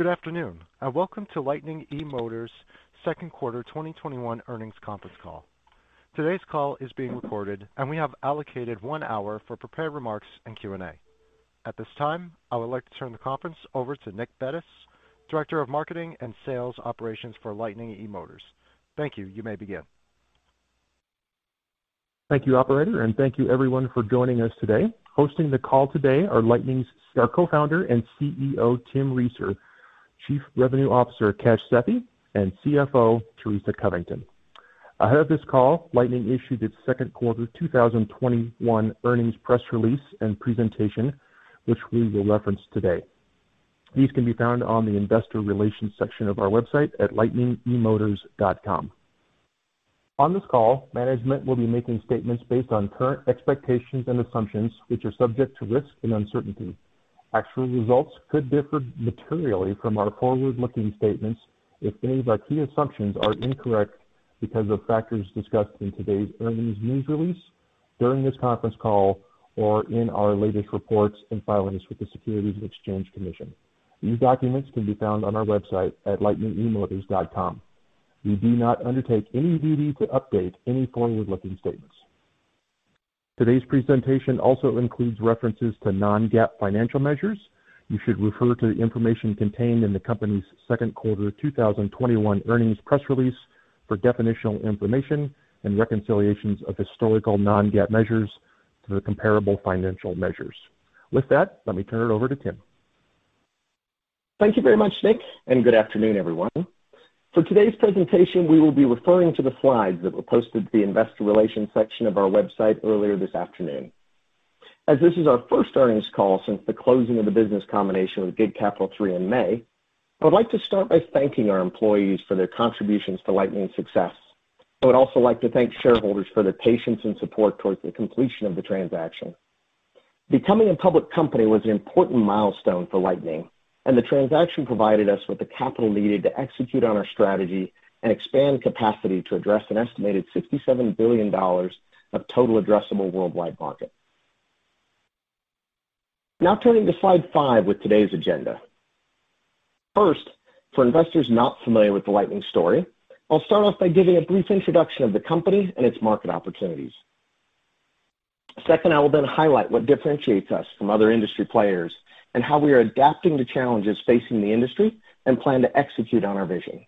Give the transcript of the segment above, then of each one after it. Good afternoon, and welcome to Lightning eMotors' second quarter 2021 earnings conference call. Today's call is being recorded, and we have allocated one hour for prepared remarks and Q and A. At this time, I would like to turn the conference over to Nicholas Bettis, Director of Marketing and Sales Operations for Lightning eMotors. Thank you. You may begin. Thank you, operator, and thank you everyone for joining us today. Hosting the call today are Lightning's Co-Founder and CEO, Tim Reeser, Chief Revenue Officer, Kash Sethi, and CFO, Teresa Covington. Ahead of this call, Lightning issued its second quarter 2021 earnings press release and presentation, which we will reference today. These can be found on the investor relations section of our website at lightningemotors.com. On this call, management will be making statements based on current expectations and assumptions, which are subject to risk and uncertainty. Actual results could differ materially from our forward-looking statements if any of our key assumptions are incorrect because of factors discussed in today's earnings news release, during this conference call, or in our latest reports and filings with the Securities and Exchange Commission. These documents can be found on our website at lightningemotors.com. We do not undertake any duty to update any forward-looking statements. Today's presentation also includes references to non-GAAP financial measures. You should refer to the information contained in the company's second quarter 2021 earnings press release for definitional information and reconciliations of historical non-GAAP measures to the comparable financial measures. With that, let me turn it over to Tim. Thank you very much, Nick, and good afternoon, everyone. For today's presentation, we will be referring to the slides that were posted to the investor relations section of our website earlier this afternoon. As this is our first earnings call since the closing of the business combination with GigCapital3 in May, I would like to start by thanking our employees for their contributions to Lightning's success. I would also like to thank shareholders for their patience and support towards the completion of the transaction. Becoming a public company was an important milestone for Lightning, and the transaction provided us with the capital needed to execute on our strategy and expand capacity to address an estimated $67 billion of total addressable worldwide market. Turning to slide five with today's agenda. First, for investors not familiar with the Lightning story, I'll start off by giving a brief introduction of the company and its market opportunities. Second, I will then highlight what differentiates us from other industry players and how we are adapting to challenges facing the industry and plan to execute on our vision.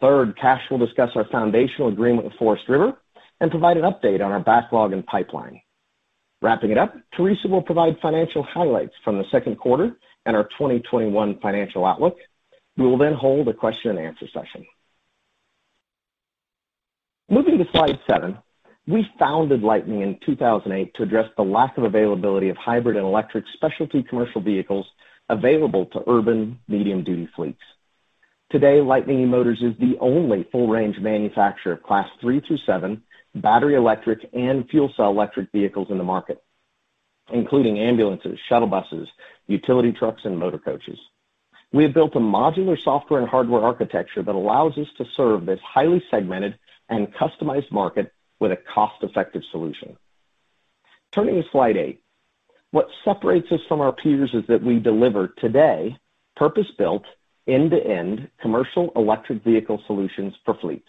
Third, Kash will discuss our foundational agreement with Forest River and provide an update on our backlog and pipeline. Wrapping it up, Teresa will provide financial highlights from the second quarter and our 2021 financial outlook. We will then hold a question and answer session. Moving to slide seven, we founded Lightning in 2008 to address the lack of availability of hybrid and electric specialty commercial vehicles available to urban medium-duty fleets. Today, Lightning eMotors is the only full-range manufacturer of Class 3 through 7 battery, electric, and fuel cell electric vehicles in the market, including ambulances, shuttle buses, utility trucks, and motor coaches. We have built a modular software and hardware architecture that allows us to serve this highly segmented and customized market with a cost-effective solution. Turning to slide eight. What separates us from our peers is that we deliver today purpose-built end-to-end commercial electric vehicle solutions for fleets.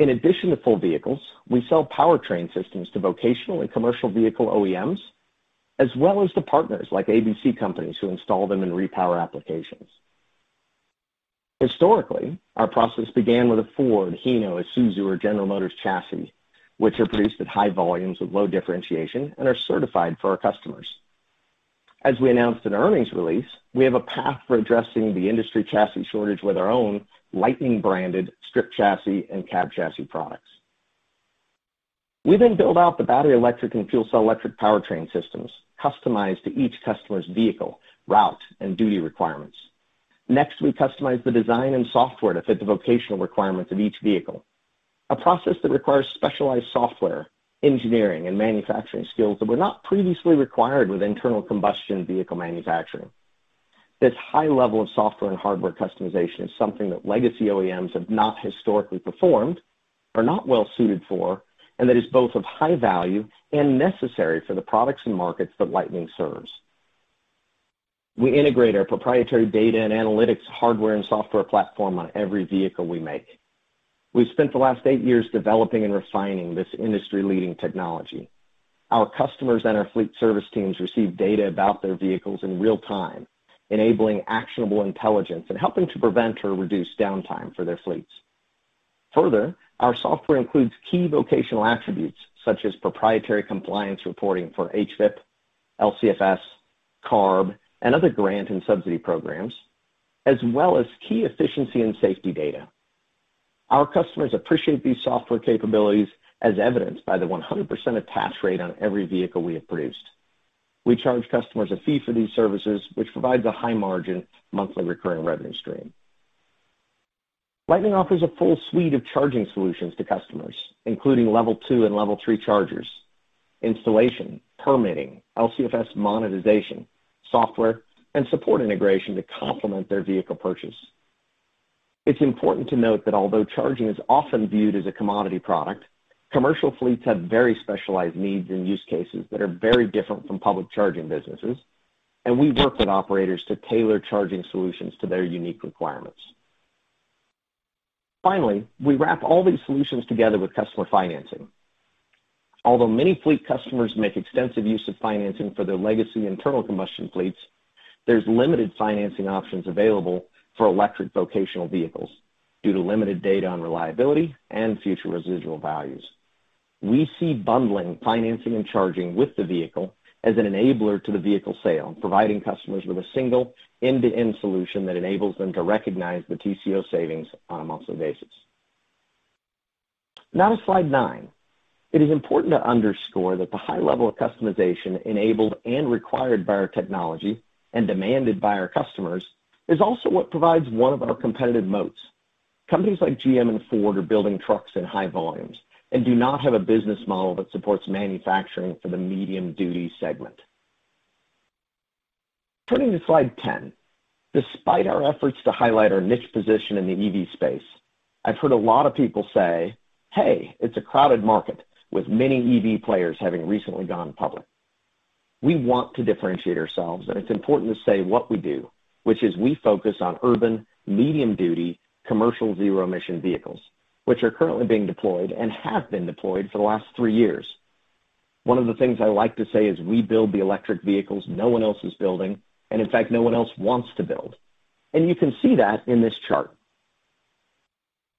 In addition to full vehicles, we sell powertrain systems to vocational and commercial vehicle OEMs, as well as to partners like ABC Companies who install them in repower applications. Historically, our process began with a Ford, Hino, Isuzu, or General Motors chassis, which are produced at high volumes with low differentiation and are certified for our customers. As we announced in the earnings release, we have a path for addressing the industry chassis shortage with our own Lightning-branded stripped chassis and cab chassis products. We then build out the battery electric and fuel cell electric powertrain systems customized to each customer's vehicle, route, and duty requirements. Next, we customize the design and software to fit the vocational requirements of each vehicle, a process that requires specialized software, engineering, and manufacturing skills that were not previously required with internal combustion vehicle manufacturing. This high level of software and hardware customization is something that legacy OEMs have not historically performed, are not well suited for, and that is both of high value and necessary for the products and markets that Lightning serves. We integrate our proprietary data and analytics hardware and software platform on every vehicle we make. We've spent the last eight years developing and refining this industry-leading technology. Our customers and our fleet service teams receive data about their vehicles in real time, enabling actionable intelligence and helping to prevent or reduce downtime for their fleets. Further, our software includes key vocational attributes such as proprietary compliance reporting for HVIP, LCFS, CARB, and other grant and subsidy programs, as well as key efficiency and safety data. Our customers appreciate these software capabilities as evidenced by the 100% attach rate on every vehicle we have produced. We charge customers a fee for these services, which provides a high margin monthly recurring revenue stream. Lightning offers a full suite of charging solutions to customers, including Level 2 and Level 3 chargers, installation, permitting, LCFS monetization, software, and support integration to complement their vehicle purchase. It's important to note that although charging is often viewed as a commodity product, commercial fleets have very specialized needs and use cases that are very different from public charging businesses, and we work with operators to tailor charging solutions to their unique requirements. Finally, we wrap all these solutions together with customer financing. Although many fleet customers make extensive use of financing for their legacy internal combustion fleets, there's limited financing options available for electric vocational vehicles due to limited data on reliability and future residual values. We see bundling financing and charging with the vehicle as an enabler to the vehicle sale, providing customers with a single end-to-end solution that enables them to recognize the TCO savings on a monthly basis. To slide nine. It is important to underscore that the high level of customization enabled and required by our technology and demanded by our customers is also what provides one of our competitive moats. Companies like GM and Ford are building trucks in high volumes and do not have a business model that supports manufacturing for the medium-duty segment. Turning to slide 10. Despite our efforts to highlight our niche position in the EV space, I've heard a lot of people say, "Hey, it's a crowded market," with many EV players having recently gone public. We want to differentiate ourselves, and it's important to say what we do, which is we focus on urban medium-duty commercial zero-emission vehicles, which are currently being deployed and have been deployed for the last three years. One of the things I like to say is we build the electric vehicles no one else is building, and in fact, no one else wants to build. You can see that in this chart.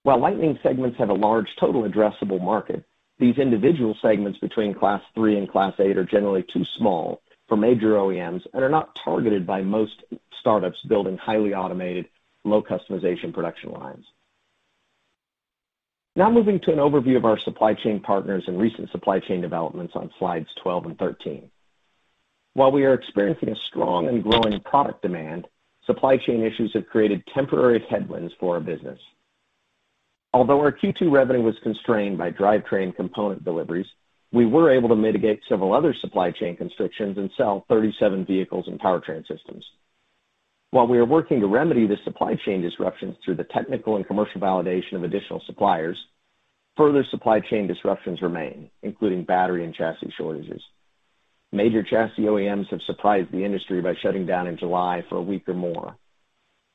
While Lightning segments have a large total addressable market, these individual segments between class 3 and class 8 are generally too small for major OEMs and are not targeted by most startups building highly automated, low customization production lines. Moving to an overview of our supply chain partners and recent supply chain developments on slides 12 and 13. While we are experiencing a strong and growing product demand, supply chain issues have created temporary headwinds for our business. Although our Q2 revenue was constrained by drivetrain component deliveries, we were able to mitigate several other supply chain constrictions and sell 37 vehicles and powertrain systems. While we are working to remedy the supply chain disruptions through the technical and commercial validation of additional suppliers, further supply chain disruptions remain, including battery and chassis shortages. Major chassis OEMs have surprised the industry by shutting down in July for a week or more.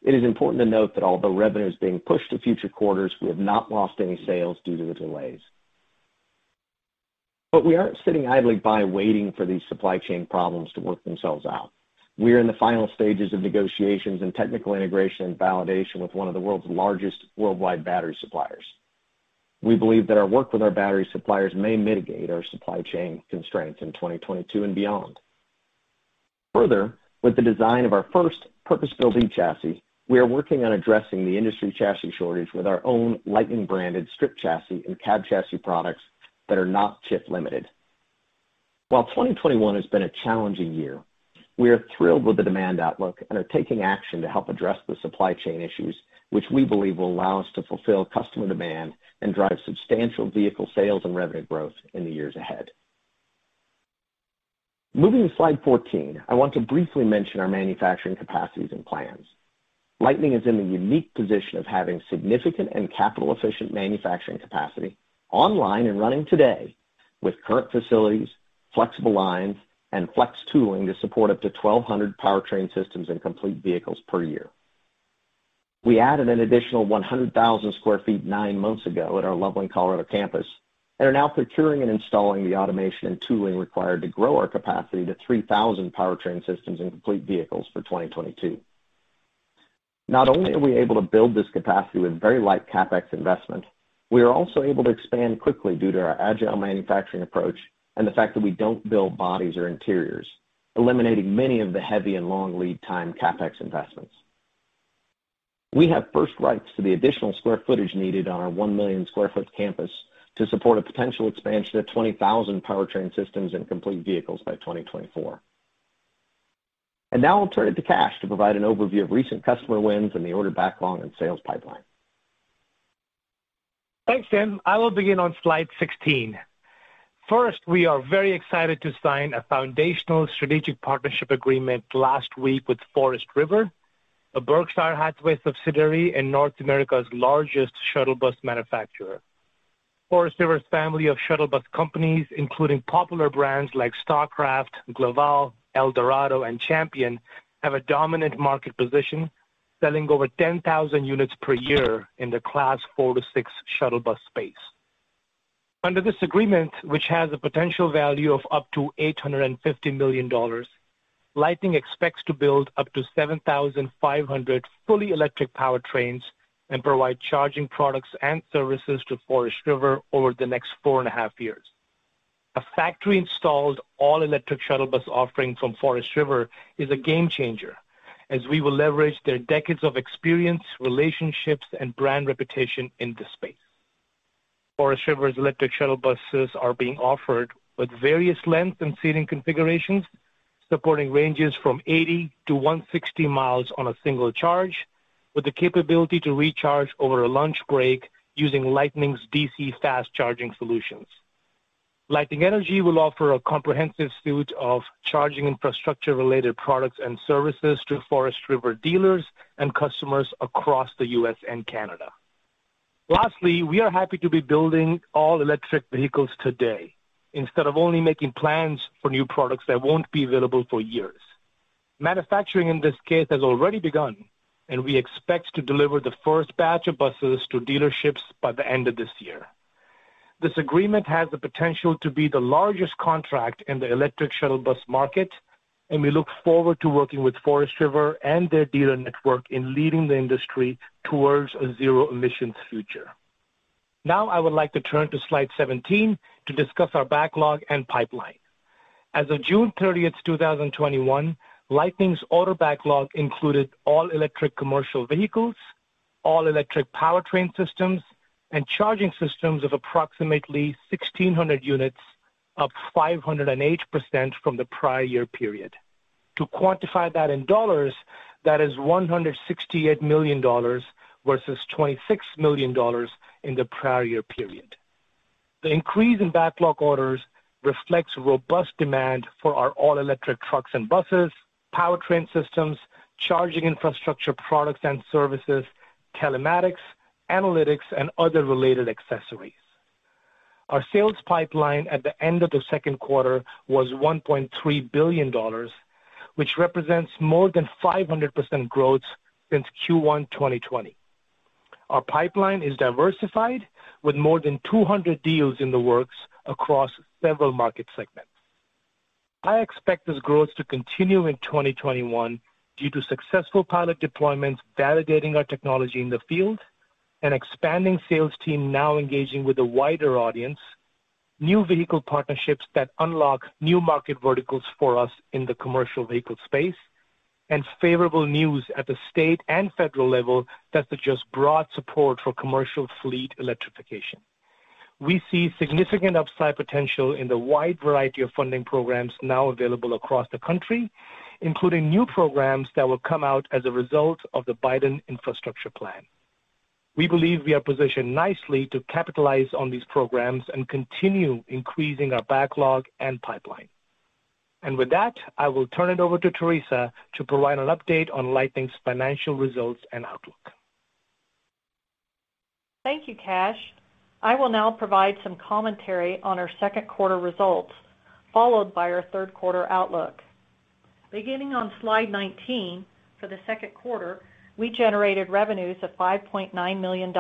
It is important to note that although revenue is being pushed to future quarters, we have not lost any sales due to the delays. We aren't sitting idly by waiting for these supply chain problems to work themselves out. We are in the final stages of negotiations and technical integration and validation with one of the world's largest worldwide battery suppliers. We believe that our work with our battery suppliers may mitigate our supply chain constraints in 2022 and beyond. Further, with the design of our first purpose-built chassis, we are working on addressing the industry chassis shortage with our own Lightning-branded stripped chassis and cab chassis products that are not chip-limited. While 2021 has been a challenging year, we are thrilled with the demand outlook and are taking action to help address the supply chain issues, which we believe will allow us to fulfill customer demand and drive substantial vehicle sales and revenue growth in the years ahead. Moving to slide 14, I want to briefly mention our manufacturing capacities and plans. Lightning is in the unique position of having significant and capital-efficient manufacturing capacity online and running today with current facilities, flexible lines, and flex tooling to support up to 1,200 powertrain systems and complete vehicles per year. We added an additional 100,000 sq ft nine months ago at our lovely Colorado campus and are now procuring and installing the automation and tooling required to grow our capacity to 3,000 powertrain systems and complete vehicles for 2022. Not only are we able to build this capacity with very light CapEx investment, we are also able to expand quickly due to our agile manufacturing approach and the fact that we don't build bodies or interiors, eliminating many of the heavy and long lead time CapEx investments. We have first rights to the additional square footage needed on our 1 million-square-foot campus to support a potential expansion of 20,000 powertrain systems and complete vehicles by 2024. Now I'll turn it to Kash to provide an overview of recent customer wins and the order backlog and sales pipeline. Thanks, Tim. I will begin on slide 16. First, we are very excited to sign a foundational strategic partnership agreement last week with Forest River, a Berkshire Hathaway subsidiary and North America's largest shuttle bus manufacturer. Forest River's family of shuttle bus companies, including popular brands like Starcraft, Glaval, ElDorado, and Champion, have a dominant market position, selling over 10,000 units per year in the class 4 to 6 shuttle bus space. Under this agreement, which has a potential value of up to $850 million, Lightning expects to build up to 7,500 fully electric powertrains and provide charging products and services to Forest River over the next four and a half years. A factory-installed all-electric shuttle bus offering from Forest River is a game changer, as we will leverage their decades of experience, relationships, and brand reputation in this space. Forest River's electric shuttle buses are being offered with various lengths and seating configurations, supporting ranges from 80-160 miles on a single charge with the capability to recharge over a lunch break using Lightning's DC fast charging solutions. Lightning Energy will offer a comprehensive suite of charging infrastructure-related products and services to Forest River dealers and customers across the U.S. and Canada. Lastly, we are happy to be building all-electric vehicles today instead of only making plans for new products that won't be available for years. Manufacturing, in this case, has already begun, and we expect to deliver the first batch of buses to dealerships by the end of this year. This agreement has the potential to be the largest contract in the electric shuttle bus market, and we look forward to working with Forest River and their dealer network in leading the industry towards a zero-emissions future. Now, I would like to turn to slide 17 to discuss our backlog and pipeline. As of June 30th, 2021, Lightning's order backlog included all-electric commercial vehicles, all-electric powertrain systems, and charging systems of approximately 1,600 units, up 508% from the prior year period. To quantify that in dollars, that is $168 million versus $26 million in the prior year period. The increase in backlog orders reflects robust demand for our all-electric trucks and buses, powertrain systems, charging infrastructure products and services, telematics, analytics, and other related accessories. Our sales pipeline at the end of the second quarter was $1.3 billion, which represents more than 500% growth since Q1 2020. Our pipeline is diversified with more than 200 deals in the works across several market segments. I expect this growth to continue in 2021 due to successful pilot deployments validating our technology in the field, an expanding sales team now engaging with a wider audience, new vehicle partnerships that unlock new market verticals for us in the commercial vehicle space, and favorable news at the state and federal level that suggest broad support for commercial fleet electrification. We see significant upside potential in the wide variety of funding programs now available across the country, including new programs that will come out as a result of the Biden infrastructure plan. We believe we are positioned nicely to capitalize on these programs and continue increasing our backlog and pipeline. With that, I will turn it over to Teresa to provide an update on Lightning's financial results and outlook. Thank you, Kash. I will now provide some commentary on our second quarter results, followed by our third quarter outlook. Beginning on slide 19, for the second quarter, we generated revenues of $5.9 million,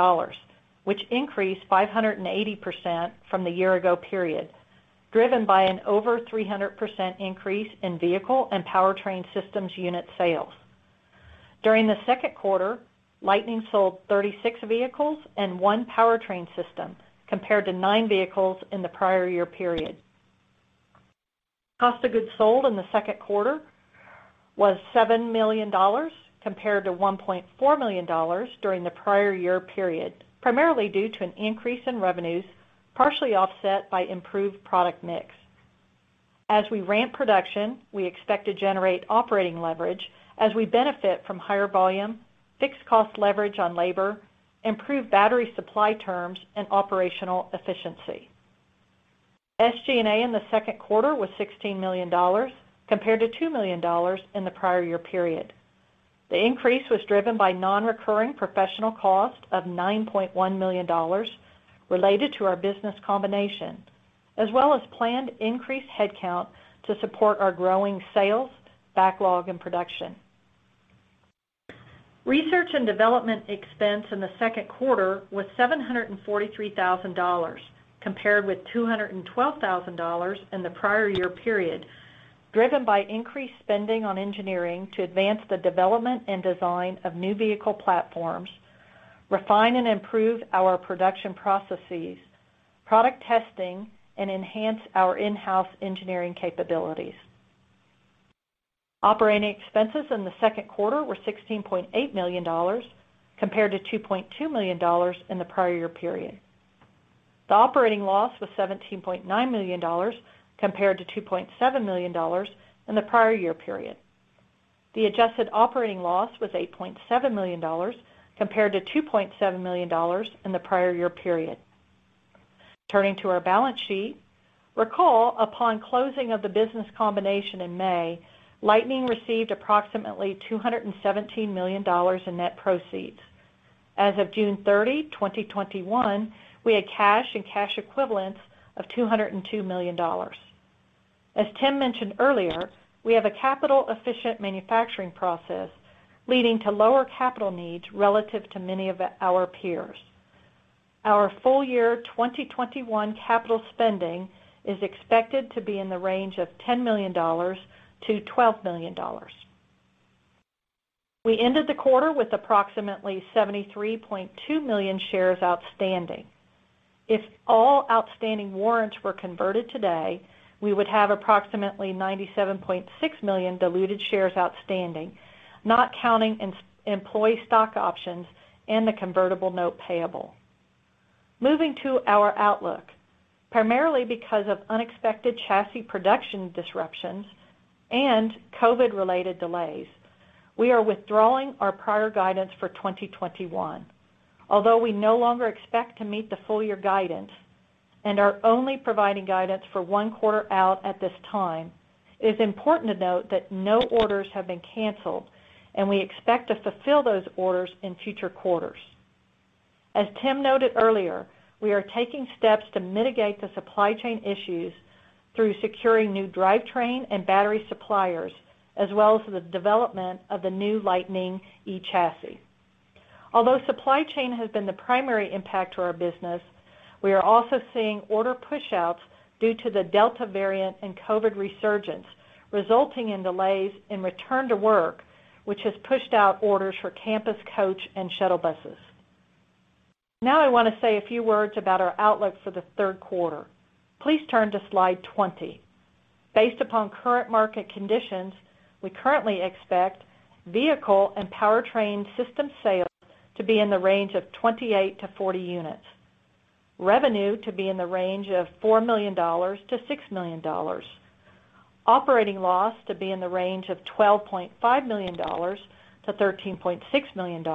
which increased 580% from the year ago period, driven by an over 300% increase in vehicle and powertrain systems unit sales. During the second quarter, Lightning sold 36 vehicles and one powertrain system compared to nine vehicles in the prior year period. Cost of goods sold in the second quarter was $7 million compared to $1.4 million during the prior year period, primarily due to an increase in revenues, partially offset by improved product mix. As we ramp production, we expect to generate operating leverage as we benefit from higher volume, fixed cost leverage on labor, improved battery supply terms, and operational efficiency. SG&A in the second quarter was $16 million compared to $2 million in the prior year period. The increase was driven by non-recurring professional costs of $9.1 million related to our business combination, as well as planned increased headcount to support our growing sales, backlog, and production. Research and development expense in the second quarter was $743,000, compared with $212,000 in the prior year period, driven by increased spending on engineering to advance the development and design of new vehicle platforms, refine and improve our production processes, product testing, and enhance our in-house engineering capabilities. Operating expenses in the second quarter were $16.8 million compared to $2.2 million in the prior year period. The operating loss was $17.9 million compared to $2.7 million in the prior year period. The adjusted operating loss was $8.7 million compared to $2.7 million in the prior year period. Turning to our balance sheet, recall upon closing of the business combination in May, Lightning received approximately $217 million in net proceeds. As of June 30, 2021, we had cash and cash equivalents of $202 million. As Tim mentioned earlier, we have a capital-efficient manufacturing process, leading to lower capital needs relative to many of our peers. Our full-year 2021 capital spending is expected to be in the range of $10 million-$12 million. We ended the quarter with approximately 73.2 million shares outstanding. If all outstanding warrants were converted today, we would have approximately 97.6 million diluted shares outstanding, not counting employee stock options and the convertible note payable. Moving to our outlook, primarily because of unexpected chassis production disruptions and COVID-related delays, we are withdrawing our prior guidance for 2021. Although we no longer expect to meet the full-year guidance and are only providing guidance for one quarter out at this time, it is important to note that no orders have been canceled, and we expect to fulfill those orders in future quarters. As Tim noted earlier, we are taking steps to mitigate the supply chain issues through securing new drivetrain and battery suppliers, as well as the development of the new Lightning eChassis. Although supply chain has been the primary impact to our business, we are also seeing order pushouts due to the Delta variant and COVID resurgence, resulting in delays in return to work, which has pushed out orders for campus coach and shuttle buses. I want to say a few words about our outlook for the third quarter. Please turn to slide 20. Based upon current market conditions, we currently expect vehicle and powertrain system sales to be in the range of 28-40 units, revenue to be in the range of $4 million-$6 million, operating loss to be in the range of $12.5 million-$13.6 million,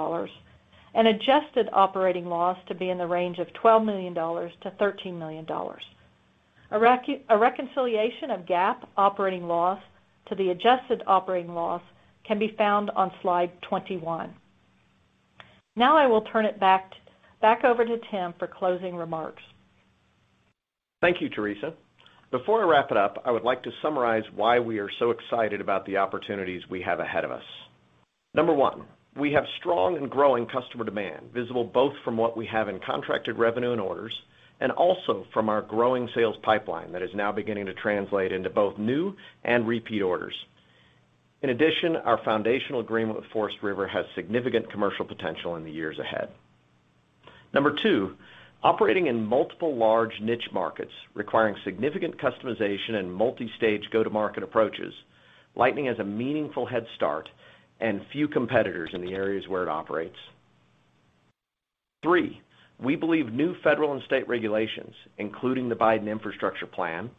and adjusted operating loss to be in the range of $12 million-$13 million. A reconciliation of GAAP operating loss to the adjusted operating loss can be found on slide 21. I will turn it back over to Tim for closing remarks. Thank you, Teresa. Before I wrap it up, I would like to summarize why we are so excited about the opportunities we have ahead of us. Number one, we have strong and growing customer demand, visible both from what we have in contracted revenue and orders and also from our growing sales pipeline that is now beginning to translate into both new and repeat orders. In addition, our foundational agreement with Forest River has significant commercial potential in the years ahead. Number two, operating in multiple large niche markets requiring significant customization and multi-stage go-to-market approaches, Lightning has a meaningful head start and few competitors in the areas where it operates. Three, we believe new federal and state regulations, including the Biden infrastructure plan,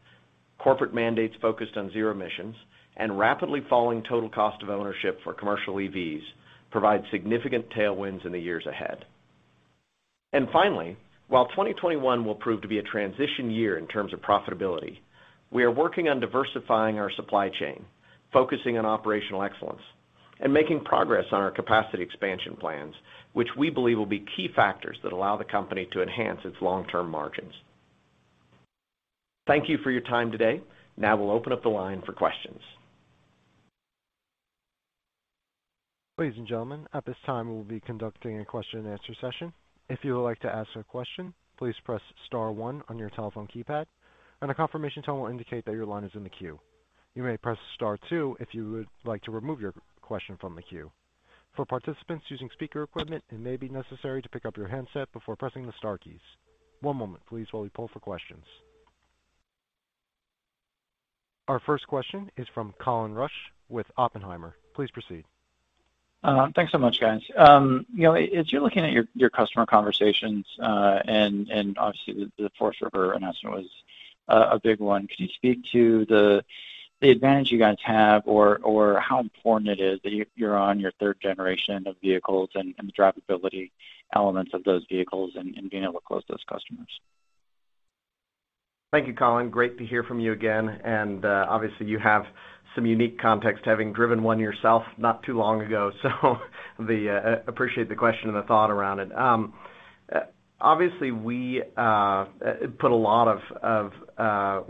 corporate mandates focused on zero emissions, and rapidly falling total cost of ownership for commercial EVs provide significant tailwinds in the years ahead. Finally, while 2021 will prove to be a transition year in terms of profitability, we are working on diversifying our supply chain, focusing on operational excellence, and making progress on our capacity expansion plans, which we believe will be key factors that allow the company to enhance its long-term margins. Thank you for your time today. Now we'll open up the line for questions. Ladies and gentlemen, at this time, we'll be conducting a question and answer session. If you would like to ask a question, please press star one on your telephone keypad and a confirmation tone will indicate that your line is in the queue. You may press star two if you would like to remove your question from the queue. For participants using speaker equipment, it may be necessary to pick up your handset before pressing the star keys. One moment please while we poll for questions. Our first question is from Colin Rusch with Oppenheimer. Please proceed. Thanks so much, guys. As you're looking at your customer conversations, and obviously the Forest River announcement was a big one, could you speak to the advantage you guys have or how important it is that you're on your third generation of vehicles and the drivability elements of those vehicles and being able to close those customers? Thank you, Colin. Great to hear from you again, and obviously you have some unique context having driven one yourself not too long ago, so appreciate the question and the thought around it. Obviously, we put a lot of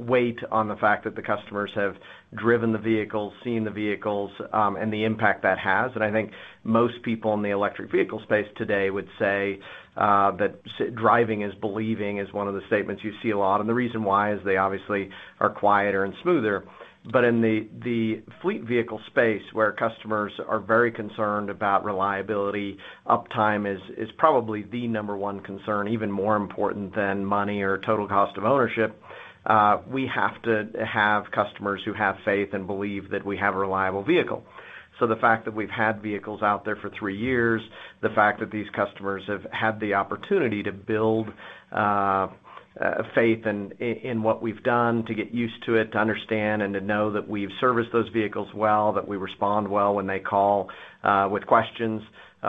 weight on the fact that the customers have driven the vehicles, seen the vehicles, and the impact that has. I think most people in the electric vehicle space today would say that driving is believing, is one of the statements you see a lot. The reason why is they obviously are quieter and smoother. In the fleet vehicle space, where customers are very concerned about reliability, uptime is probably the number one concern, even more important than money or total cost of ownership. We have to have customers who have faith and believe that we have a reliable vehicle. The fact that we've had vehicles out there for three years, the fact that these customers have had the opportunity to build faith in what we've done to get used to it, to understand and to know that we've serviced those vehicles well, that we respond well when they call with questions,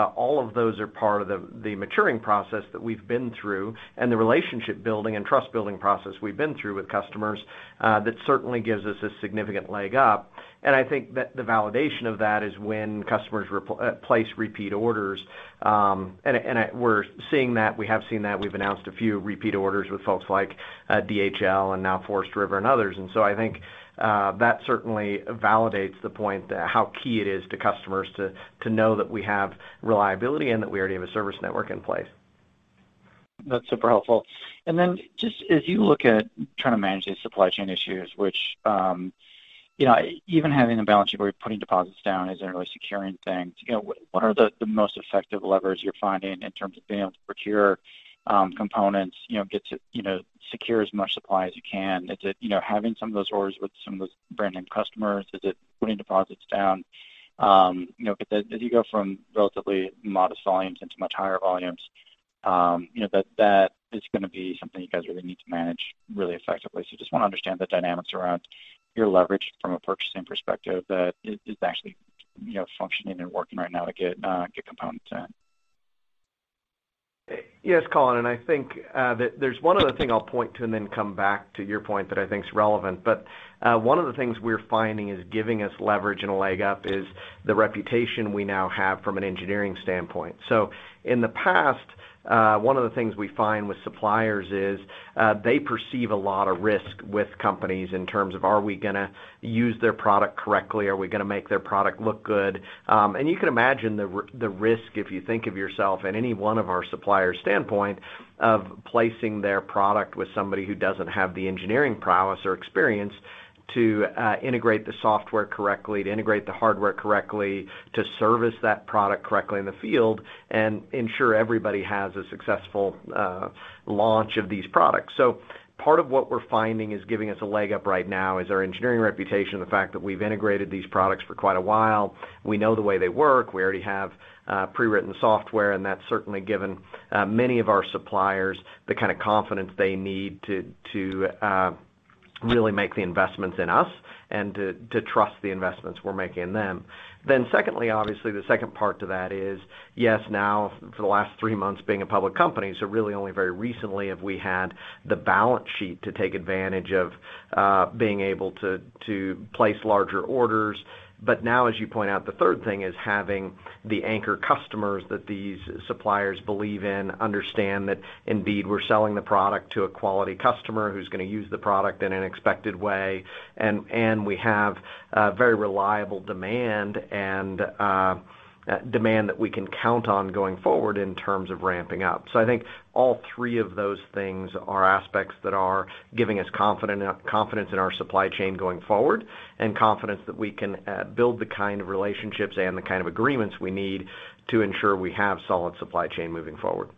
all of those are part of the maturing process that we've been through and the relationship building and trust-building process we've been through with customers that certainly gives us a significant leg up. I think that the validation of that is when customers place repeat orders, and we have seen that. We've announced a few repeat orders with folks like DHL and now Forest River and others. I think that certainly validates the point how key it is to customers to know that we have reliability and that we already have a service network in place. That's super helpful. Just as you look at trying to manage these supply chain issues, which even having a balance sheet where you're putting deposits down isn't really securing things, what are the most effective levers you're finding in terms of being able to procure components, secure as much supply as you can? Is it having some of those orders with some of those brand name customers? Is it putting deposits down? As you go from relatively modest volumes into much higher volumes, that is going to be something you guys really need to manage really effectively. Just want to understand the dynamics around your leverage from a purchasing perspective that is actually functioning and working right now at getting components in. Yes, Colin, I think that there's one other thing I'll point to and then come back to your point that I think is relevant. One of the things we're finding is giving us leverage and a leg up is the reputation we now have from an engineering standpoint. In the past, one of the things we find with suppliers is, they perceive a lot of risk with companies in terms of are we going to use their product correctly? Are we going to make their product look good? You can imagine the risk if you think of yourself in any one of our suppliers' standpoint of placing their product with somebody who doesn't have the engineering prowess or experience to integrate the software correctly, to integrate the hardware correctly, to service that product correctly in the field, and ensure everybody has a successful launch of these products. Part of what we're finding is giving us a leg up right now is our engineering reputation, the fact that we've integrated these products for quite a while. We know the way they work. We already have pre-written software, and that's certainly given many of our suppliers the kind of confidence they need to really make the investments in us and to trust the investments we're making in them. Secondly, obviously, the second part to that is, yes, now for the last three months, being a public company, really only very recently have we had the balance sheet to take advantage of being able to place larger orders. Now, as you point out, the third thing is having the anchor customers that these suppliers believe in understand that indeed we're selling the product to a quality customer who's going to use the product in an expected way. We have very reliable demand and demand that we can count on going forward in terms of ramping up. I think all three of those things are aspects that are giving us confidence in our supply chain going forward and confidence that we can build the kind of relationships and the kind of agreements we need to ensure we have solid supply chain moving forward.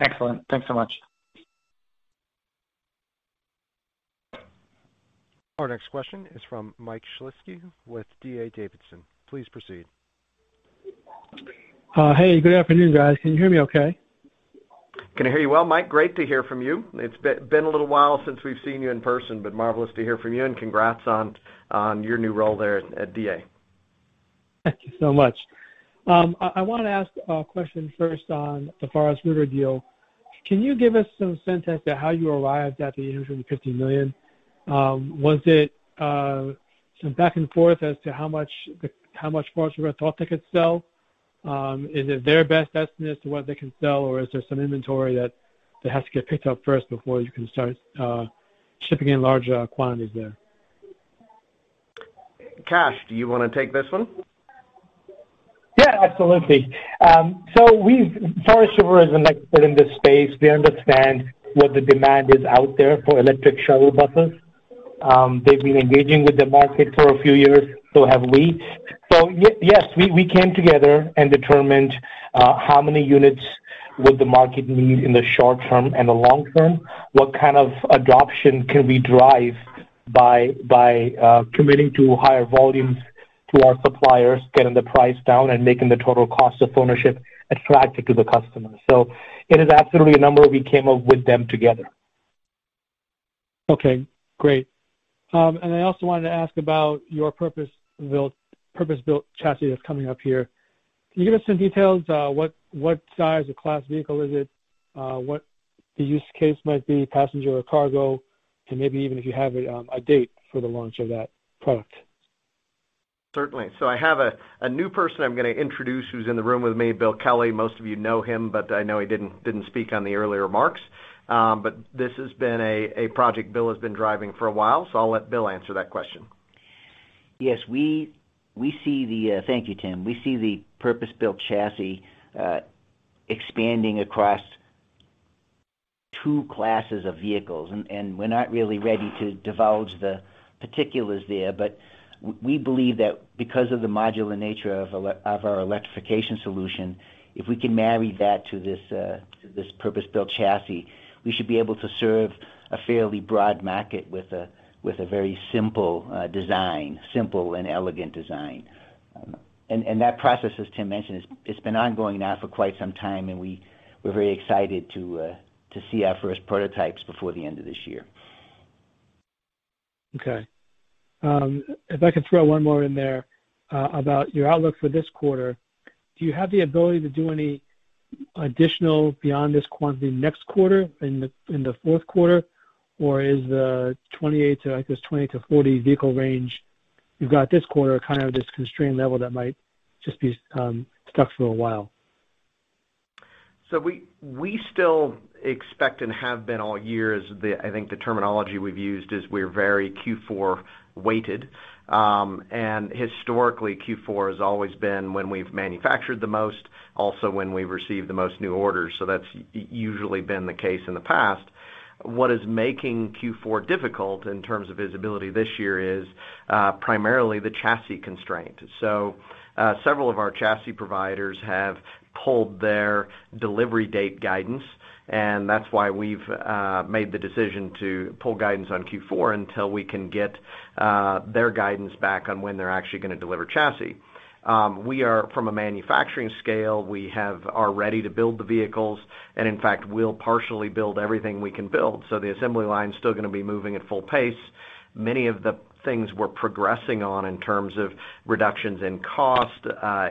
Excellent. Thanks so much. Our next question is from Mike Shlisky with D.A. Davidson. Please proceed. Hey, good afternoon, guys. Can you hear me okay? Can I hear you well, Mike? Great to hear from you. It's been a little while since we've seen you in person, but marvelous to hear from you, and congrats on your new role there at D.A. Thank you so much. I want to ask a question first on the Forest River deal. Can you give us some sense as to how you arrived at the $150 million? Was it some back and forth as to how much Forest River thought they could sell? Is it their best estimate as to what they can sell, or is there some inventory that has to get picked up first before you can start shipping in larger quantities there? Kash, do you want to take this one? Yeah, absolutely. Forest River is an expert in this space. They understand what the demand is out there for electric shuttle buses. They've been engaging with the market for a few years, so have we. Yes, we came together and determined how many units would the market need in the short term and the long term, what kind of adoption can we drive by committing to higher volumes to our suppliers, getting the price down, and making the total cost of ownership attractive to the customer. It is absolutely a number we came up with them together. Okay, great. I also wanted to ask about your purpose-built chassis that's coming up here. Can you give us some details? What size or class vehicle is it? What the use case might be, passenger or cargo, and maybe even if you have a date for the launch of that product. Certainly. I have a new person I'm going to introduce who's in the room with me, Bill Kelley. Most of you know him, I know he didn't speak on the earlier marks. This has been a project Bill has been driving for a while, I'll let Bill answer that question. Yes. Thank you, Tim. We see the purpose-built chassis expanding across two classes of vehicles, and we're not really ready to divulge the particulars there. We believe that because of the modular nature of our electrification solution, if we can marry that to this purpose-built chassis, we should be able to serve a fairly broad market with a very simple design, simple and elegant design. That process, as Tim mentioned, it's been ongoing now for quite some time, and we're very excited to see our first prototypes before the end of this year. Okay. If I could throw one more in there about your outlook for this quarter. Do you have the ability to do any additional beyond this quantity next quarter, in the fourth quarter? Or is the 20-40 vehicle range you've got this quarter kind of this constrained level that might just be stuck for a while? We still expect and have been all year is, I think the terminology we've used is we're very Q4 weighted. Historically, Q4 has always been when we've manufactured the most, also when we receive the most new orders. That's usually been the case in the past. What is making Q4 difficult in terms of visibility this year is primarily the chassis constraint. Several of our chassis providers have pulled their delivery date guidance, and that's why we've made the decision to pull guidance on Q4 until we can get their guidance back on when they're actually going to deliver chassis. From a manufacturing scale, we are ready to build the vehicles, and in fact, we'll partially build everything we can build. The assembly line's still going to be moving at full pace. Many of the things we're progressing on in terms of reductions in cost,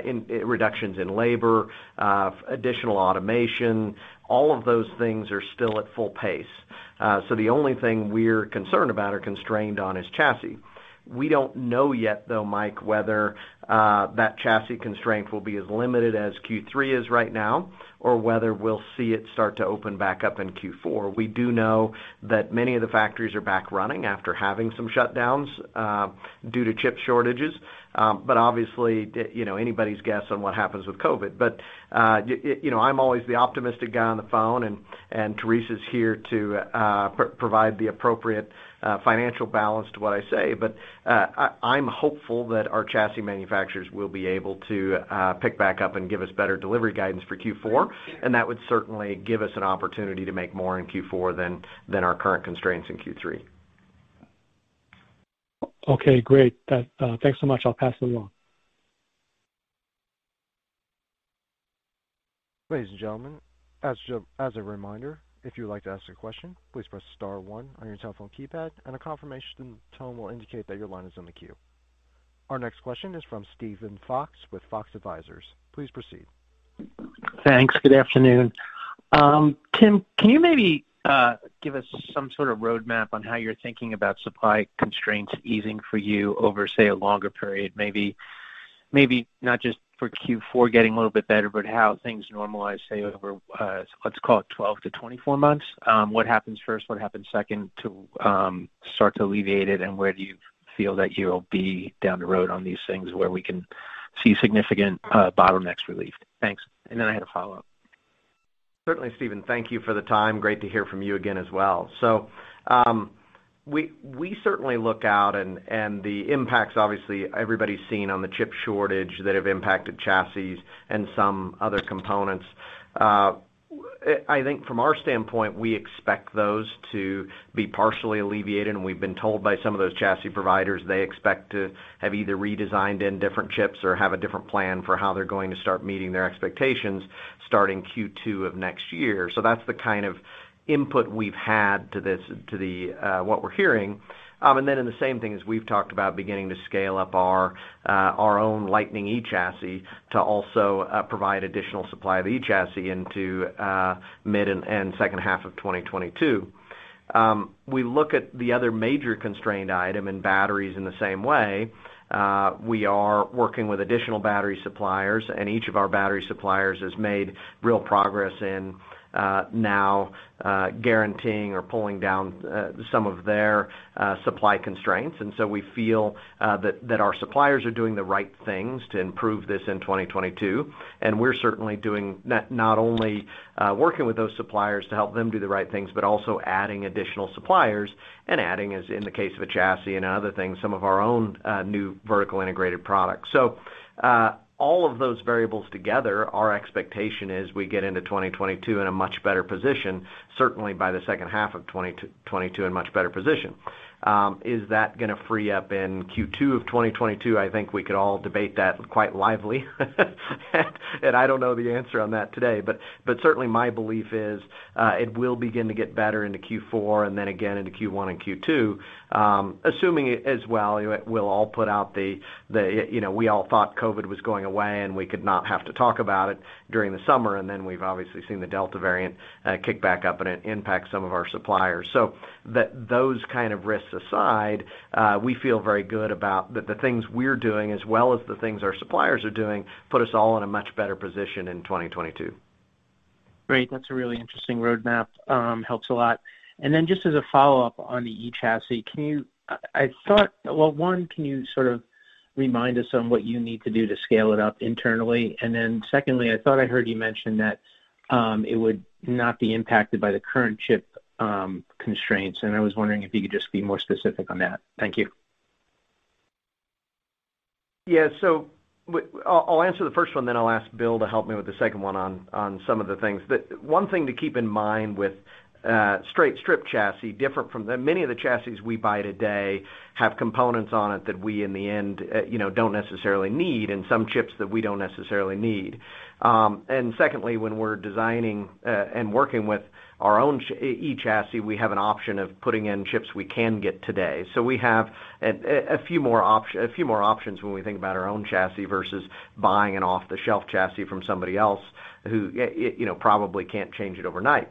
reductions in labor, additional automation, all of those things are still at full pace. The only thing we're concerned about or constrained on is chassis. We don't know yet, though, Mike, whether that chassis constraint will be as limited as Q3 is right now or whether we'll see it start to open back up in Q4. We do know that many of the factories are back running after having some shutdowns due to chip shortages. Obviously, anybody's guess on what happens with COVID. I'm always the optimistic guy on the phone, and Teresa's here to provide the appropriate financial balance to what I say. I'm hopeful that our chassis manufacturers will be able to pick back up and give us better delivery guidance for Q4, and that would certainly give us an opportunity to make more in Q4 than our current constraints in Q3. Okay, great. Thanks so much. I'll pass it along. Ladies and gentlemen, as a reminder, if you like to ask a question, please press star one on your telephone keypad and the confirmation tone will indicate that your line is in the queue. Our next question is from Steven Fox with Fox Advisors. Please proceed. Thanks. Good afternoon. Tim, can you maybe give us some sort of roadmap on how you're thinking about supply constraints easing for you over, say, a longer period? Maybe not just for Q4 getting a little bit better, but how things normalize, say, over, let's call it 12-24 months. What happens first, what happens second to start to alleviate it, and where do you feel that you'll be down the road on these things where we can see significant bottlenecks relief? Thanks. I had a follow-up. Certainly, Steven. Thank you for the time. Great to hear from you again as well. We certainly look out, and the impacts, obviously, everybody's seen on the chip shortage that have impacted chassis and some other components. I think from our standpoint, we expect those to be partially alleviated, and we've been told by some of those chassis providers they expect to have either redesigned in different chips or have a different plan for how they're going to start meeting their expectations starting Q2 of next year. That's the kind of input we've had to what we're hearing. In the same thing, as we've talked about beginning to scale up our own Lightning eChassis to also provide additional supply of eChassis into mid and second half of 2022. We look at the other major constrained item in batteries in the same way. We are working with additional battery suppliers. Each of our battery suppliers has made real progress in now guaranteeing or pulling down some of their supply constraints. We feel that our suppliers are doing the right things to improve this in 2022, and we're certainly not only working with those suppliers to help them do the right things, but also adding additional suppliers and adding, as in the case of a chassis and other things, some of our own new vertical integrated products. All of those variables together, our expectation is we get into 2022 in a much better position, certainly by the second half of 2022 in much better position. Is that going to free up in Q2 of 2022? I think we could all debate that quite lively. I don't know the answer on that today, but certainly my belief is it will begin to get better into Q4 and then again into Q1 and Q2, assuming as well we'll all put out the, we all thought COVID was going away, and we could not have to talk about it during the summer, and then we've obviously seen the Delta variant kick back up and it impacts some of our suppliers. Those kind of risks aside, we feel very good about the things we're doing as well as the things our suppliers are doing put us all in a much better position in 2022. Great. That's a really interesting roadmap. Helps a lot. Just as a follow-up on the eChassis, one, can you sort of remind us on what you need to do to scale it up internally? Secondly, I thought I heard you mention that it would not be impacted by the current chip constraints, and I was wondering if you could just be more specific on that. Thank you. Yeah. I'll answer the first one, then I'll ask Bill to help me with the second one on some of the things. One thing to keep in mind with straight stripped chassis, different from the many of the chassis we buy today, have components on it that we in the end don't necessarily need and some chips that we don't necessarily need. Secondly, when we're designing and working with our own eChassis, we have an option of putting in chips we can get today. We have a few more options when we think about our own chassis versus buying an off-the-shelf chassis from somebody else who probably can't change it overnight.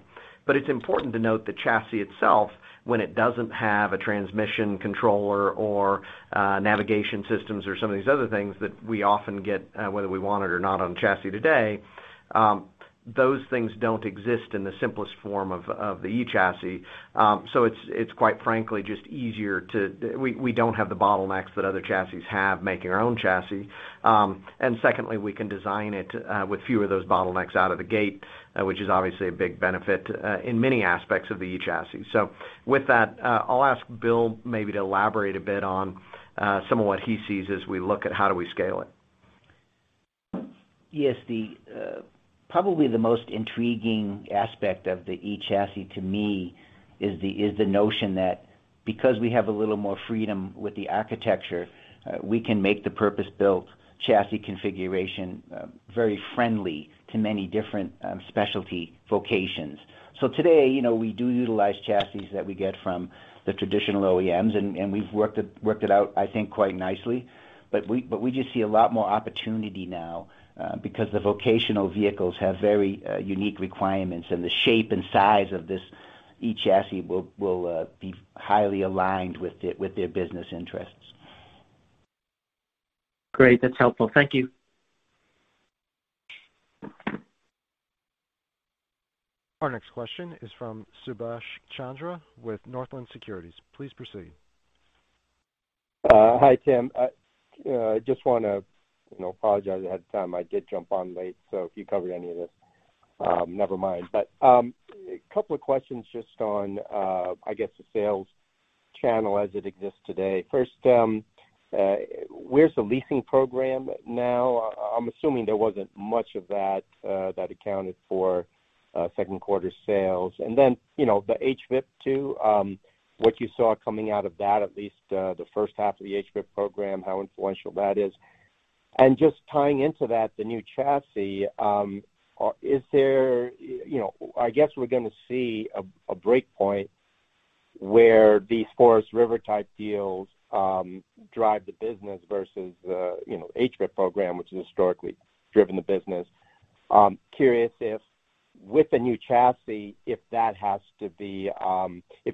It's important to note the chassis itself, when it doesn't have a transmission controller or navigation systems or some of these other things that we often get, whether we want it or not on chassis today, those things don't exist in the simplest form of the eChassis. It's quite frankly just easier. We don't have the bottlenecks that other chassis have making our own chassis. Secondly, we can design it with fewer of those bottlenecks out of the gate, which is obviously a big benefit in many aspects of the eChassis. With that, I'll ask Bill maybe to elaborate a bit on some of what he sees as we look at how do we scale it. Yes. Probably the most intriguing aspect of the eChassis to me is the notion that because we have a little more freedom with the architecture, we can make the purpose-built chassis configuration very friendly to many different specialty vocations. So today, we do utilize chassis that we get from the traditional OEMs, and we've worked it out, I think, quite nicely. But we just see a lot more opportunity now because the vocational vehicles have very unique requirements, and the shape and size of this eChassis will be highly aligned with their business interests. Great. That's helpful. Thank you. Our next question is from Subash Chandra with Northland Securities. Please proceed. Hi, Tim. I just want to apologize ahead of time. I did jump on late, so if you covered any of this, never mind. A couple of questions just on, I guess the sales channel as it exists today. First, where's the leasing program now? I'm assuming there wasn't much of that that accounted for second quarter sales. Then, the HVIP2, what you saw coming out of that, at least the first half of the HVIP program, how influential that is. Just tying into that, the new chassis, I guess we're going to see a breakpoint where these Forest River type deals drive the business versus the HVIP program, which has historically driven the business. Curious if, with the new chassis, if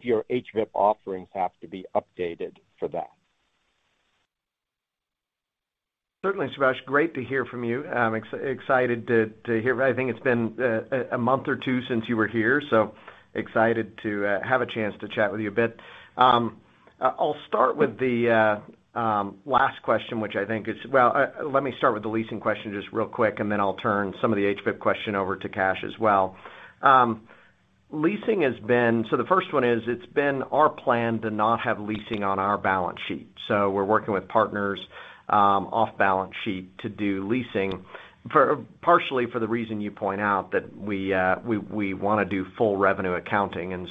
your HVIP offerings have to be updated for that. Certainly, Subash, great to hear from you. I'm excited to hear. I think it's been a month or two since you were here, so excited to have a chance to chat with you a bit. I'll start with the last question, which I think. Let me start with the leasing question just real quick, and then I'll turn some of the HVIP question over to Kash as well. The first one is, it's been our plan to not have leasing on our balance sheet. We're working with partners off balance sheet to do leasing, partially for the reason you point out that we want to do full revenue accounting.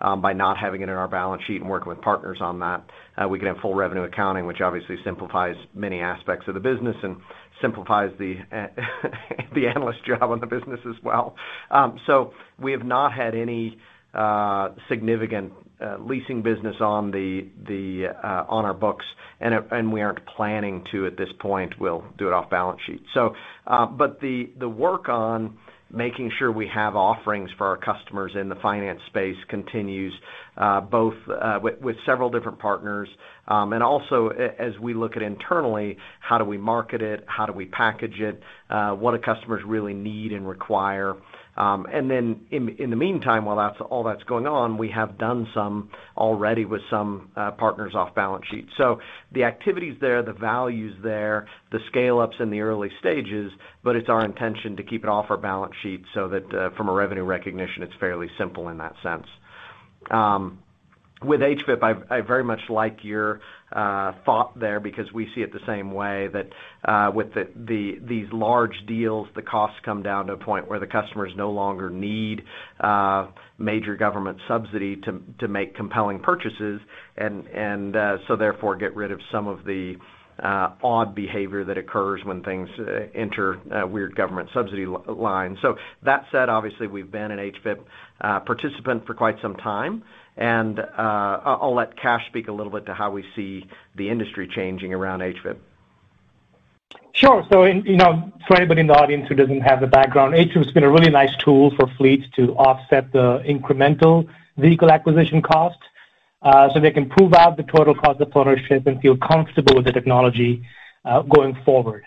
By not having it in our balance sheet and working with partners on that, we can have full revenue accounting, which obviously simplifies many aspects of the business and simplifies the analyst job on the business as well. We have not had any significant leasing business on our books, and we aren't planning to at this point. We'll do it off balance sheet. The work on making sure we have offerings for our customers in the finance space continues both with several different partners and also as we look at internally, how do we market it, how do we package it, what do customers really need and require. In the meantime, while all that's going on, we have done some already with some partners off balance sheet. The activity's there, the value's there, the scale-up's in the early stages, but it's our intention to keep it off our balance sheet so that from a revenue recognition, it's fairly simple in that sense. With HVIP, I very much like your thought there because we see it the same way, that with these large deals, the costs come down to a point where the customers no longer need major government subsidy to make compelling purchases and so therefore get rid of some of the odd behavior that occurs when things enter weird government subsidy lines. That said, obviously, we've been an HVIP participant for quite some time, and I'll let Kash speak a little bit to how we see the industry changing around HVIP. Sure. So for anybody in the audience who doesn't have the background, HVIP's been a really nice tool for fleets to offset the incremental vehicle acquisition cost so they can prove out the total cost of ownership and feel comfortable with the technology going forward.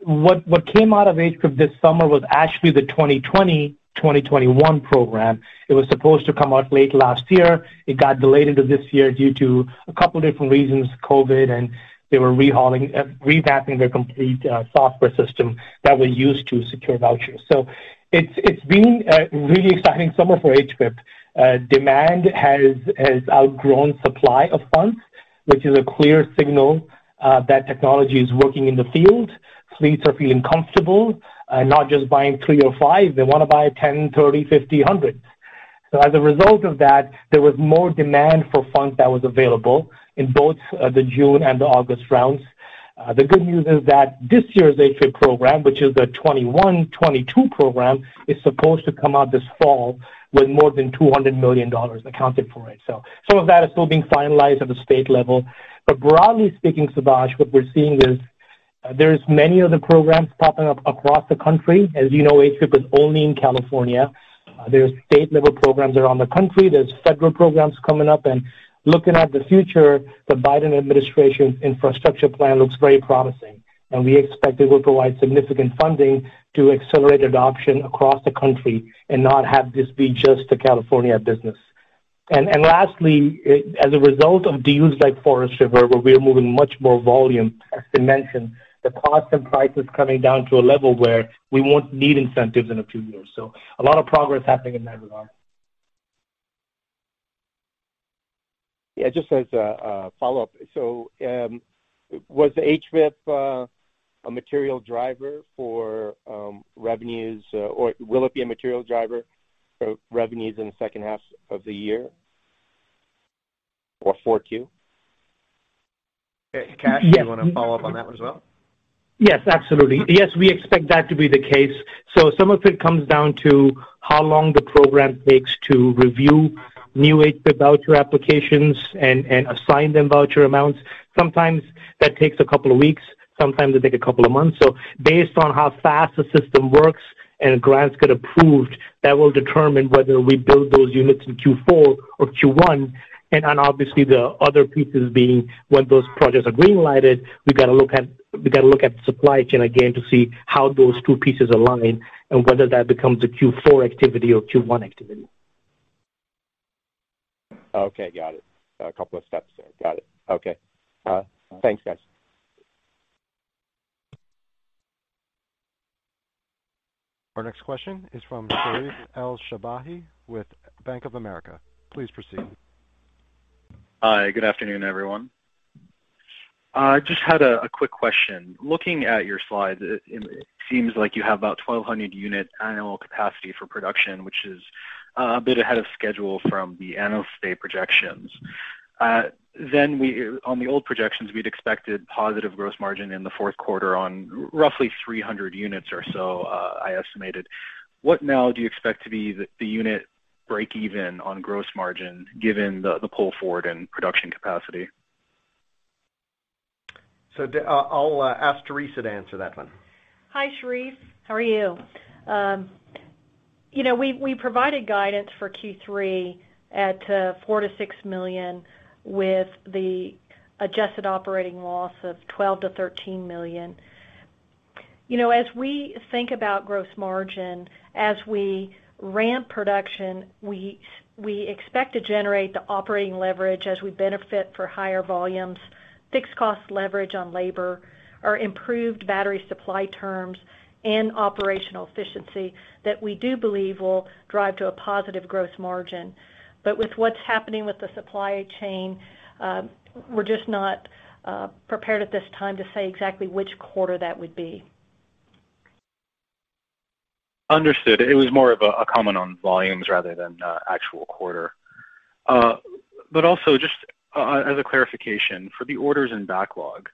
What came out of HVIP this summer was actually the 2020/2021 program. It was supposed to come out late last year. It got delayed into this year due to a couple different reasons, COVID, and they were revamping their complete software system that was used to secure vouchers. It's been a really exciting summer for HVIP. Demand has outgrown supply of funds, which is a clear signal that technology is working in the field. Fleets are feeling comfortable not just buying three or five, they want to buy 10, 30, 50, 100. As a result of that, there was more demand for funds that was available in both the June and the August rounds. The good news is that this year's HVIP program, which is the 2020/2021 program, is supposed to come out this fall with more than $200 million accounted for it. Some of that is still being finalized at the state level. Broadly speaking, Subash, what we're seeing is there is many other programs popping up across the country. As you know, HVIP is only in California. There's state-level programs around the country. There's federal programs coming up. Looking at the future, the Biden administration infrastructure plan looks very promising, and we expect it will provide significant funding to accelerate adoption across the country and not have this be just a California business. Lastly, as a result of deals like Forest River, where we are moving much more volume, as Tim mentioned, the cost and price is coming down to a level where we won't need incentives in a few years. A lot of progress happening in that regard. Yeah, just as a follow-up. Was HVIP a material driver for revenues, or will it be a material driver for revenues in the second half of the year or 4Q? Okay, Kash. Yes. Do you want to follow up on that as well? Yes, absolutely. Yes, we expect that to be the case. Some of it comes down to how long the program takes to review new HVIP voucher applications and assign them voucher amounts. Sometimes that takes a couple of weeks, sometimes it takes a couple of months. Based on how fast the system works and grants get approved, that will determine whether we build those units in Q4 or Q1. Obviously the other pieces being when those projects are green-lighted, we've got to look at the supply chain again to see how those two pieces align and whether that becomes a Q4 activity or Q1 activity. Okay, got it. A couple of steps there. Got it. Okay. Thanks, guys. Our next question is from Sherif El-Sabbahy with Bank of America. Please proceed. Hi, good afternoon, everyone. I just had a quick question. Looking at your slides, it seems like you have about 1,200 unit annual capacity for production, which is a bit ahead of schedule from the end of stated projections. On the old projections, we'd expected positive gross margin in the fourth quarter on roughly 300 units or so, I estimated. What now do you expect to be the unit break even on gross margin given the pull forward and production capacity? I'll ask Teresa to answer that one. Hi, Sherif. How are you? We provided guidance for Q3 at $4 million-$6 million with the adjusted operating loss of $12 million-$13 million. As we think about gross margin, as we ramp production, we expect to generate the operating leverage as we benefit for higher volumes, fixed cost leverage on labor or improved battery supply terms and operational efficiency that we do believe will drive to a positive gross margin. With what's happening with the supply chain, we're just not prepared at this time to say exactly which quarter that would be. Understood. It was more of a comment on volumes rather than actual quarter. Also just as a clarification, for the orders in backlog,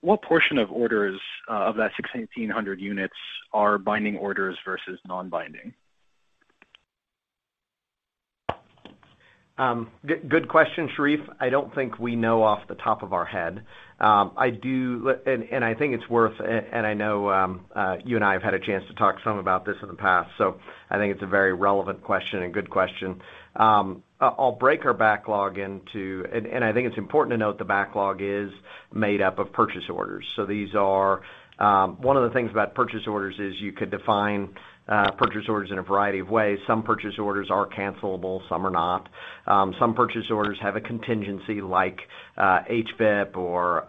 what portion of orders of that 1,600 units are binding orders versus non-binding? Good question, Sherif. I don't think we know off the top of our head. I think it's worth, I know you and I have had a chance to talk some about this in the past, I think it's a very relevant question and good question. I'll break our backlog into I think it's important to note the backlog is made up of purchase orders. One of the things about purchase orders is you could define purchase orders in a variety of ways. Some purchase orders are cancelable, some are not. Some purchase orders have a contingency like HVIP or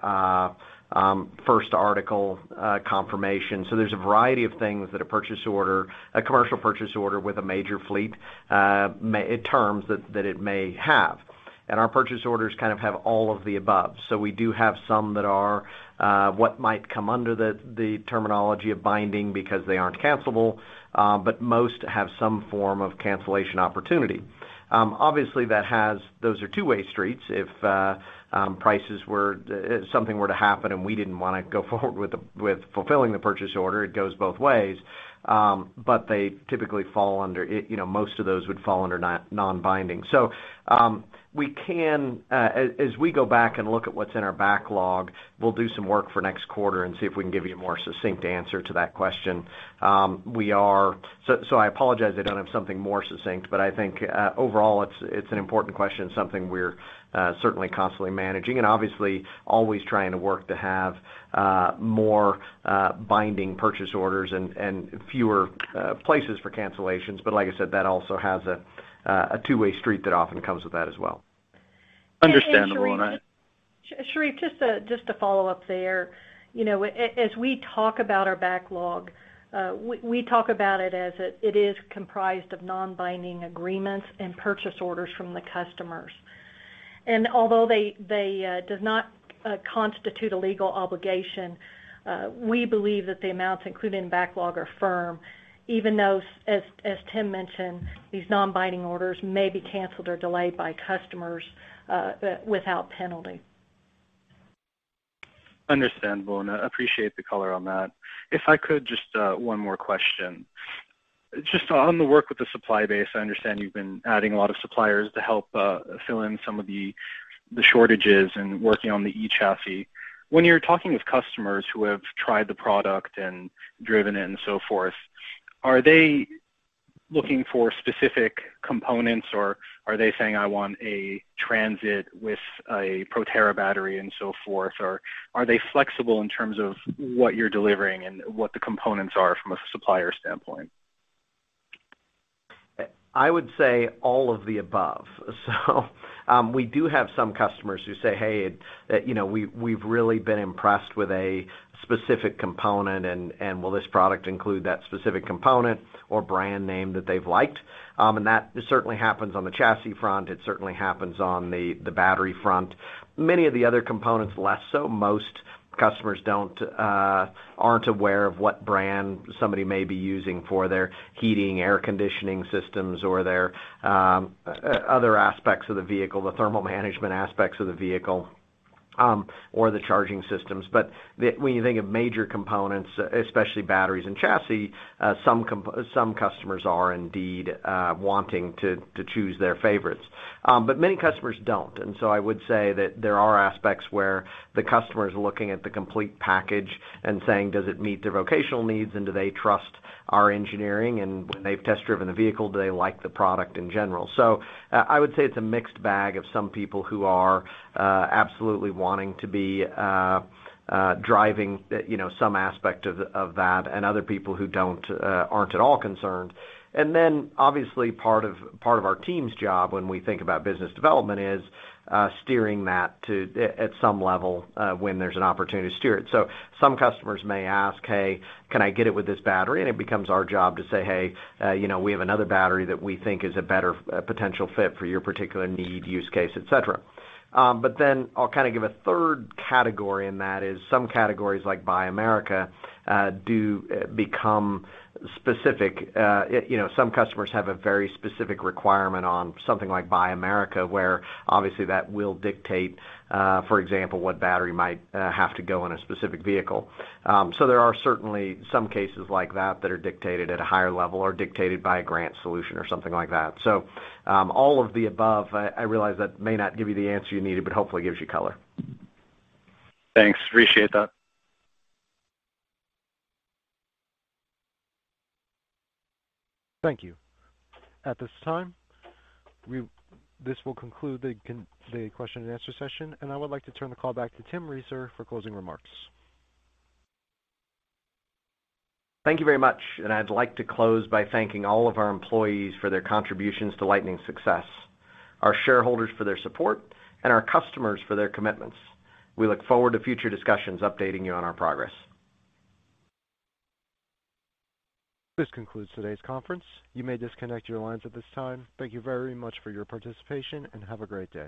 first article confirmation. There's a variety of things that a purchase order, a commercial purchase order with a major fleet may, in terms that it may have. Our purchase orders kind of have all of the above. We do have some that are what might come under the terminology of binding because they aren't cancelable. Most have some form of cancellation opportunity. Obviously those are two-way streets. If something were to happen and we didn't want to go forward with fulfilling the purchase order, it goes both ways. Most of those would fall under non-binding. As we go back and look at what's in our backlog, we'll do some work for next quarter and see if we can give you a more succinct answer to that question. I apologize I don't have something more succinct, but I think overall it's an important question and something we're certainly constantly managing and obviously always trying to work to have more binding purchase orders and fewer places for cancellations. Like I said, that also has a two-way street that often comes with that as well. Understandable. Sherif, just to follow up there. As we talk about our backlog, we talk about it as it is comprised of non-binding agreements and purchase orders from the customers. Although they do not constitute a legal obligation, we believe that the amounts included in backlog are firm, even though, as Tim mentioned, these non-binding orders may be canceled or delayed by customers without penalty. Understandable, I appreciate the color on that. If I could, just one more question. Just on the work with the supply base, I understand you've been adding a lot of suppliers to help fill in some of the shortages and working on the eChassis. When you're talking with customers who have tried the product and driven it and so forth, are they looking for specific components or are they saying, "I want a transit with a Proterra battery," and so forth, or are they flexible in terms of what you're delivering and what the components are from a supplier standpoint? I would say all of the above. We do have some customers who say, "Hey, we've really been impressed with a specific component," and will this product include that specific component or brand name that they've liked? That certainly happens on the chassis front, it certainly happens on the battery front. Many of the other components less so. Most customers aren't aware of what brand somebody may be using for their heating, air conditioning systems, or their other aspects of the vehicle, the thermal management aspects of the vehicle, or the charging systems. When you think of major components, especially batteries and chassis, some customers are indeed wanting to choose their favorites. Many customers don't. I would say that there are aspects where the customer is looking at the complete package and saying, does it meet their vocational needs and do they trust our engineering? When they've test-driven the vehicle, do they like the product in general? I would say it's a mixed bag of some people who are absolutely wanting to be driving some aspect of that and other people who aren't at all concerned. Obviously part of our team's job when we think about business development is steering that at some level when there's an opportunity to steer it. Some customers may ask, "Hey, can I get it with this battery?" It becomes our job to say, "Hey, we have another battery that we think is a better potential fit for your particular need, use case," et cetera. I'll give a third category, and that is some categories like Buy America do become specific. Some customers have a very specific requirement on something like Buy America, where obviously that will dictate, for example, what battery might have to go in a specific vehicle. There are certainly some cases like that that are dictated at a higher level or dictated by a grant solution or something like that. All of the above. I realize that may not give you the answer you needed, but hopefully gives you color. Thanks. Appreciate that. Thank you. At this time, this will conclude the question and answer session, and I would like to turn the call back to Tim Reeser for closing remarks. Thank you very much, and I'd like to close by thanking all of our employees for their contributions to Lightning's success, our shareholders for their support, and our customers for their commitments. We look forward to future discussions updating you on our progress. This concludes today's conference. You may disconnect your lines at this time. Thank you very much for your participation, and have a great day.